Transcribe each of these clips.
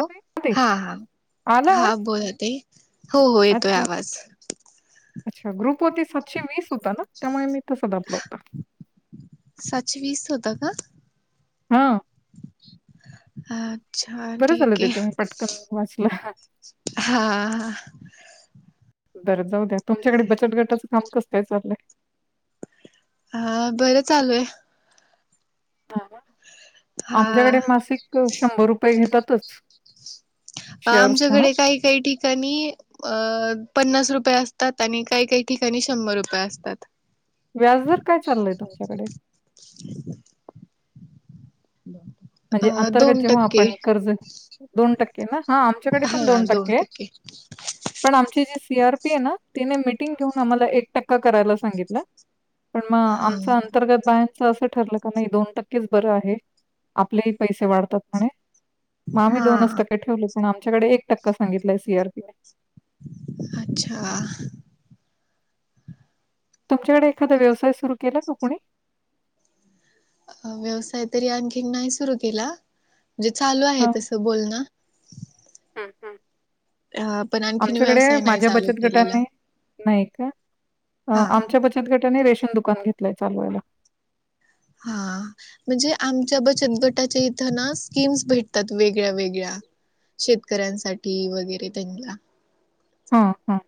ओ ते ते हा आला आवाज? हा बोला ताई हो हो येतोय अच्छा, आवाज. तो ती सातशे वीस होता ना त्यामुळे मी तसा दाबला होता. सातशेवीस होता का? हा. हा. अच्छा ठीक ते आहे तुम्ही पटकन वाचला. हा ह बर जाऊ द्या तुमच्याकडे बचत गटाचं काम कस काय चाललंय? हा बरं चालू आहे. हा आमच्याकडे मासिक शंभर रुपये घेतातच. अ शेअर्स म्हणून. आमच्याकडे काही काही ठिकाणी अ पन्नास रुपये असतात आणि काही काही ठिकाणी शंभर रुपये असतात. व्याजदर काय चाललय तुमच्याकडे? म्हणजे अ अंतर्गत दोन जेव्हा आपण टक्के कर्ज दोन टक्के ना हा आमच्याकडे पण दोन टक्के, पण आमची जी सी आर पी आहे ना तिने टीग ठेऊन आमाला एक टक्का करायला सांगितलं, पण म हा आमच आंतर्गत बायाच अस ठरलं का नाही दोन टक्केच बरं आहे आपलेही पैसे वाढतात म्हणे. मग आम्ही हा दोनच टक्के ठेवले पण आमच्याकडे एक टक्का सांगितलाय सी आरपी अच्छा. तुमच्याकडे एखादा व्यवसाय सुरू केला का कोणी? अ व्यवसाय तरी आणखी नाही सुरु केला. म्हणजे चालू आहे हां. तसं बोलण. हं, हं. आमच्याकडे व्यवसाय नाही माझ्या चालू बचत केलेला गटाने नाही का हा आमच्या बचत गटाने रेशन दुकान घेतलंय चालवायला. हा म्हणजे आमच्या बचत गटाच्या इथं ना स्कीम्स भेटतात वेगळ्या वेगळ्या. शेतकऱ्यांसाठी वगैरे त्यांनला हा हा.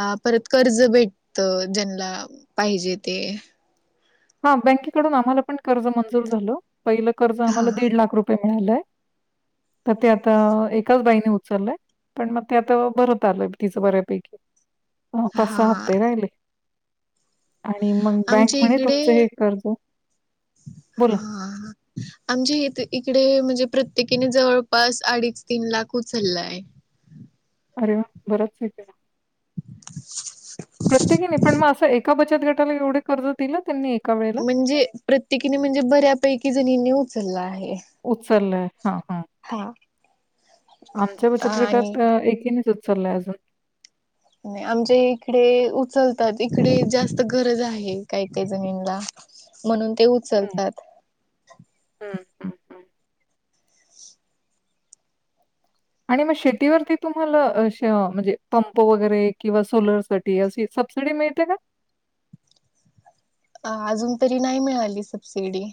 अ परत कर्ज भेटत ज्यांना पाहिजे ते हा बँकेकडून आम्हाला पण कर्ज मंजूर झालं पहिलं कर्ज हा आम्हाला दीड लाख रुपये मिळाल. तर ते आता एकाच बाईने उचललंय. पण मग ते आता भरत आलं तिचं बऱ्यापैकी पाच सहा हा हप्ते राहिले. आणि मग बँक आमच्या म्हणे तुम इकडे बोला. हा आमच्या इथं इकडे म्हणजे प्रत्येकीने जवळपास अडीच तीन लाख उचलय. अरे वा बरचं हे केलंय मग असं एका बचत गटाला एवढे कर्ज देईल त्यांनी एक? म्हणजे प्रत्येकीने म्हणजे बऱ्यापैकी जणींनी उचलला आहे. उचललाय हा हा. हा. आमच्या बचत आणि गटात एकीनेच उचलाय अजून. आमच्या इकडे उचलतात इकडे जास्त गरज आहे, काय काय जणीनला. म्हणून ते उचलतात. ह हा. आणि मग शेतीवरती तुम्हाला म्हणजे पंप वगैरे किंवा सोलर साठी अ सबसीडी मिळते ना? अ अजून तरी नाही मिळाली सबसिडी.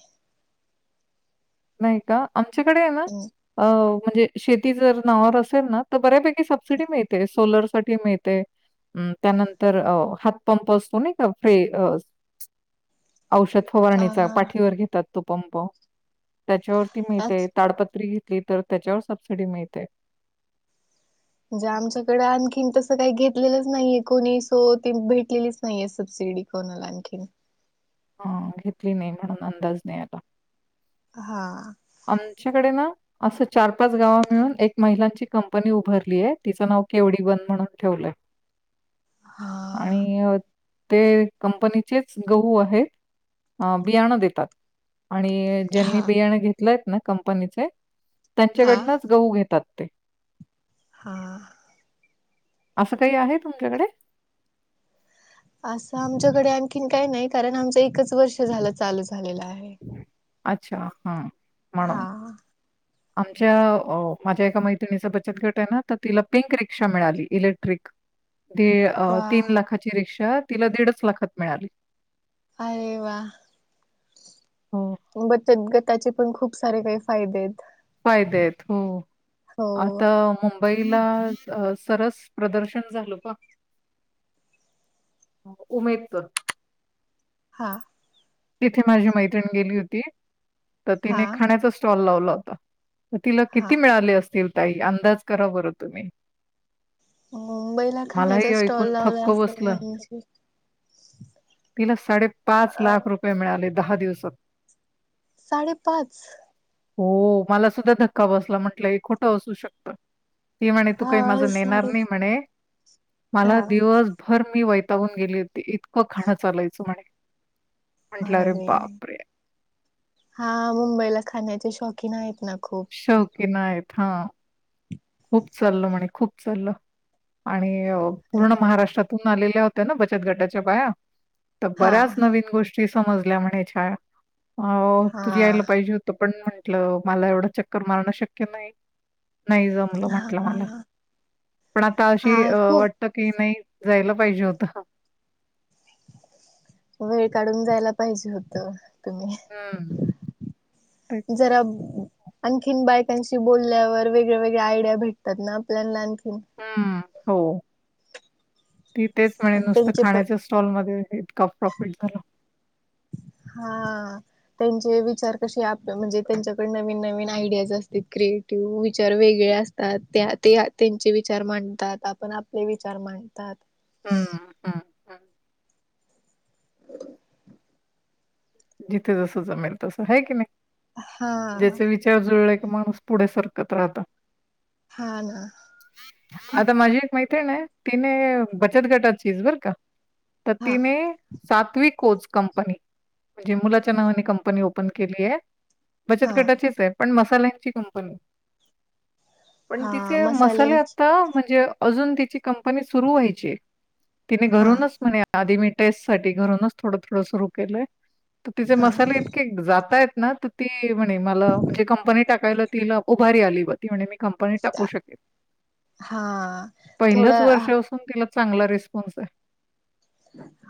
नाही का आमच्याकडे आहे ना, अ म्हणजे शेती जर नाववर असेल ना तर बऱ्यापैकी- सबसिडी मिळते सोलर- साठी मिळते, त्यानंतर हातपंप असतो नाही का- [inaudible] औषध फवारणीचा अ पाठीवर घेतात, तो पंप त्याच्यावरती मी ते ताडपत्री तर त्याच्यावर सबसिडी मिळते. म्हणजे आमच्याकडे आणखीन तसं काही घेतलेलंच नाहीये कोणी सो, त भेटलेलीच नाहीये सबसि- सिडी कोणाला आणखीन. हा घेतली नाही, म्हणून अंदाज नाही आता- हा आमच्याकडे ना- असं चार पाच गाव मिळून एक महिलांची कंपनी उभारली आहे, तिचं नाव केवडी वन म्हणून ठेवलंय. हा आणि ते कंपनीचेच गहू आहेत. अ बियाणं देतात आणि ज्यांनी हा बियाणं घेत- कंपनीचे हा त्यांच्याकडून गहू घेतात ते. हा. असं काही आहे तुमच्याकडे? असं आमच्याकडे आणखीन काही नाही, कारण आमचं एकच वर्ष झालं चालूच- झालेला आहे. अच्छा हा. हा. म्हणून आमच्या माझ्या एका मैत्रिणीचा बचत गट आहे ना, तर तिला पिंक रिक्षा मिळाली इलेक्ट्रिक- वा तीन लाखाची रिक्षा तिला दीडच लाखात मिळाली. अरे वा, हो. बचत ग- टाचे पण खूप सारे काही फायदे आहेत. फायदे आहेत, हो हो आता मुंबई- मुबईला सरस प्रदर्शन झाल का? उमेद तर [unintelligible] हा. तिथे माझी मैत्रिणी गेली होती, तर हा तिने खाण्याचा स्टॉल लावला होता. तर तिला हा किती मिळाले असतील, ताई अंदाज करा बरं तुम्ही? मुंबईला मला खाण्याचा हे ऐकून स्टॉल लावला थक्क असेल, बसलं. म्हणजे- तिला साडेपाच अ लाख रुपये मिळाले, दहा दिवसात- साडेपाच? हो मला सुद्धा धक्का बसला म्हंटलंय, खोटं असू शकत. ती म्हणे तू हा काही माझ नेणार साडे नाही म्हणे, हा मला दिवसभर- मी वैतावून गेली होती इतकं खाणं चालायचं म्हणे- म्हटलं, अरे बापरे! हा मुंबईला खाण्याचे शौकीन आहेत ना. खूप शौकीन आहेत, हां. खूप चालल म्हणे, खूप चाललं आणि पूर्ण महाराष्ट्रातून आलेल्या होत- ना बचत गटाच्या बाया तर हा बऱ्याच नवीन गोष्टी समजल्या म्हणे छाया हो तु यायला हा पाहिजे होत. म्हट मला एव च मारण शक्य नाही म्हट म हा पण आता अ हा खूप वाटत की नाही जायला पाहिजे होत वेळ काढून जायला पाहिजे होत हं. तेच. तुम्ही जरा आणखी बायकांशी बोलल्यावर वेगळ्या वेगळ्या आयडिया भेटतात ना आपल्याख हम् हो ती तेच म्हणे नुसतं त्यांचे पण खाण्याच्या स्टॉलमध्येध्ये इतका प्रॉफिट झाला हा त्यांचे विचार कसे आप म्हणजे त्यांच्याकडडे नवीन नवीन आयडियाज असतील क्रिएटिव्ह विचार वेगळे तात त्यांचे विचार मांडतात आपण आपले विचार मांडतात हा हा जिथे जस जमेल तस आहे की नाही हा ज्याचा विचार जुळ माणूस पुढे सरकत राहत हा ना आता माझी एक माैत्री ना तिने बचत गटाचीच बरं का हा ततीने सातवी कोच कंपनी म्हणजेलाच्या ना कंपनी ओपन केली आहे बचत हा गटाचीच आहे पण मसाल्या प त म हा आ मसाले म्हण अजून तिची कंपनी सुरू व्हायची तिने हा घरूनच म्हणे आधी मी टेस्ट सा घरूनच थोडं थोडं सुरु केलंय त तिचे हा मसाले इतके जाताय ना त ती म्हणे म म्हणे कंपनी टाकाय तिला भारी आली बघ त म्ह ंपनी टाकू शकेल हा पहि थोडा वर्षून ति चांगला रिस्पॉन्स आहे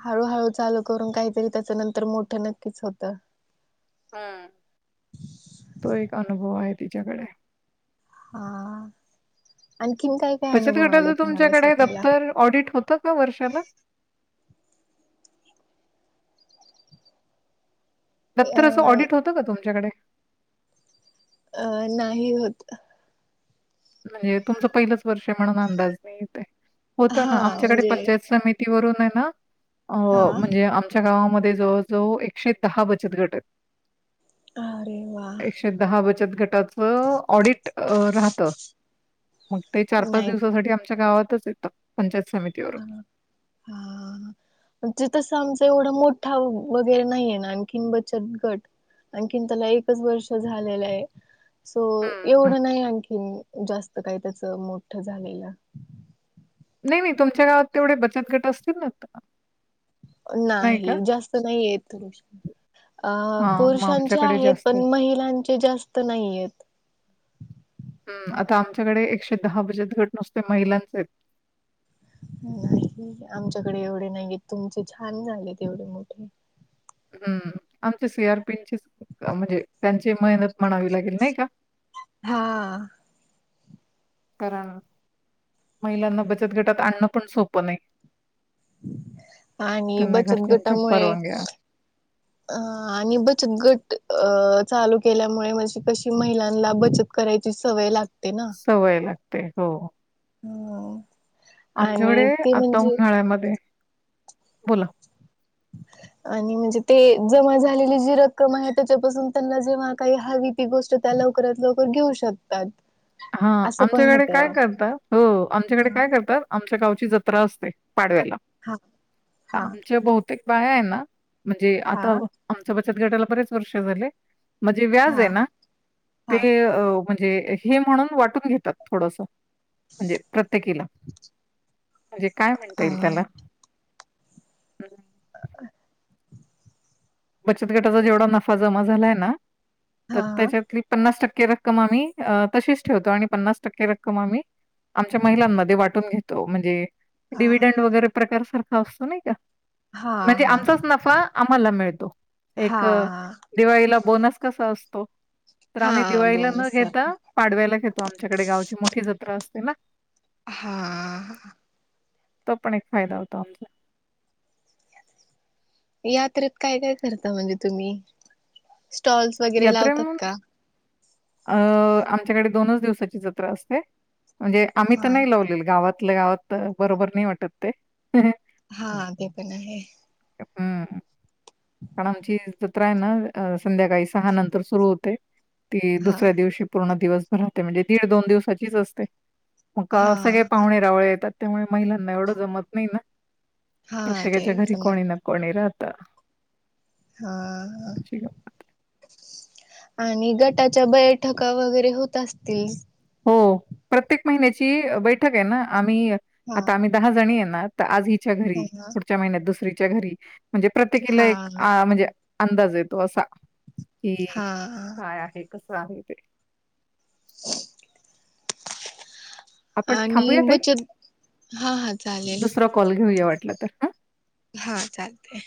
हळूहळू चालू करून काहीतरी त्याच नंतर मोठं नक्कीच होतं ह तो एक अनुभव आहे तिच्याकडे हा आणखीन काय काय बचत अनुभव आले गटाचं तुम्हाला तुमच्याकडे स्वतःला दप्तर ऑडिट होतं का वर्षाला? त तरर असं अ ऑडिट होतं का तुच्याकडे अं नाही होत म्हणजे तुमचं पहिलंच वर्ष म्हणून अंदाज नाही येते होत हा ना आमच्याकडे म्हणजे पंचायत समिती ून आहे हा म्हणजे आमच्या गा म जवळ जवळ एकशे दहा बचत गट आहेत अरे वा एकशे दहा बचत गटाच ऑडिट राहत मग ते चार पाच नाही दिवसासाठी आमच्या गावातच येतं पंचाय हा हा तिथ समज एवढा मोठा वगैरे नाहीये ना आणखी बचत गट आणखीन त्याला एकच वर्ष झालेलं आहे सो हं, हं. एवढं नाही आणखीन जास्त काही त्याच मोठ झालेलं नाही नाही तुमच्या गावात तेवढे बचत गट असतील ना नाही जास्त नाही येतुष अ हां, मग पुरुषांचे आमच्याकडे आहेत जास्त पण महिलांचे जास्त नाहीयेत हम्म आता आमच्याकडे एकशे दहा बजत घट नसते महिलांचे नाही आमच्याकडे एवढे नाहीय तुमचे छान झालेत एवढे मोठे हम्म आमच्या सी आर पीची म्हणजे त्यांची मेहनत म्हणावी लागेल नाही का हा कारण महिलांना बचत गटात आणणं पण सोपं नाही आणि त्यांना बचत घरच्यांच्या गटामुळे परवानग्या ह आणि बचत घट अ चालू केल्यामुळे म्हणजे कशी महिलांना बचत करायची सवय लागते. ना सवय लागते हो. हम्म आमच्याकडे आणि ते आता म्हणजे उन्हाळ्यामध्ये, बोला! आणि म्हणजे ते जमा झालेली जी रक्कम आहे त्याच्यापासून त्यांना जेव्हा काही हवी ती गोष्ट त्या लवकरात लवकर घेऊ शकतात. हा असं पण आमच्याकडे होत काय करतात हो आमच्याकडे काय करतात आमच्या गावची जत्रा असते! पांडव्याला. हा हा आमच्या बहूतेक बाया आहे ना, म्हणजे हा आता आमचा बचत गटाला बरेच वर्ष झाले, म जे व्याज हा ना ते हा म्हणजे हे म्हणून वाटून घेतात थोडस म्हणजे प्रत्येकीला. म्हणजे काय म्हणता अ येईल त्याला [inaudible] बचत गटाचा जेवढा नफा जमा झालाय ना तर हा त्याच्यातली पन्नास टक्के रक्कम आम्ही तशीच ठेवतो आणि पन्नास टक्के रक्कम आम्ही आमच्या महिलांमध्ये वाटून घेतो, म्हणजे हा डिव्हीडंड वगैरे प्रकार सारखा असतो नाही का? हा म्हणजे हा आमचाच नफा आम्हाला मिळतो. हा एक दिवाळीला बोनस कसा असतो. तर आम्ही हा दिवाळीला न बोनस सारखं. घेता पाडव्याला घेतो आमच्याकडे गावची मोठी जत्रा असते ना. हा. तो पण एक फायदा होतो आमचा. यात्रेत काय काय करता म्हणजे तुम्ही स्टॉल्स वगैरे लावतात यात्रेहून का? अ आमच्याकडे दोनच दिवसाची जत्रा असते. म्हणजे आम्ही तर हा नाही लावलेल गावातलं गावात बरोबर नाही वाटत ते. हा ते पण आहे. हम्म. जत्रा हाय ना संध्याकाळी सहा नंतर सुरु होते ती हा दुसऱ्या दिवशी पूर्ण दिवसभ रहातो म्हणजे दीड दोन दिवसाचीच असते मग हा सगळे पाहुणे रावळे येतात. त्यामुळे महिलांना एवढं जमत नाही ना, हा ते प्रत्येकाच्या घरी जमत कोणी ना कोणी राहत. हा. अशी आणि गटाच्या बैठका वगैरे होत असतील? हो प्रत्येक महिन्याची बैठक आहे ना आम्ही हा आता आम्ही दहा जणीये ना तर आज हीच्या घरी, हा पुढच्या महिन्यात दुसरीच्या घरी म्हणजे प्रत्येकीला हा एक आ म्हणजे अंदाज येतो असा कि हा काय आहे कस आहे ते. आपण आणि थांबूया ताई! बचत हा हा चालेल दुसरा कॉल घेऊया वाटलं तर हा. हा चालतय.